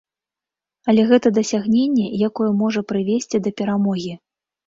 Але гэта дасягненне, якое можа прывесці да перамогі.